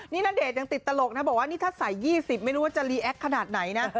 นี่ณเดชน์ยังติดตลกนะบอกว่านี่ถ้าใส่๒๐ไม่รู้ว่าจะรีแอคขนาดไหนนะ